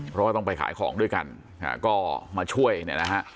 เพราะว่าต้องไปขายของด้วยกันก็มาช่วยเนี่ยนะฮะ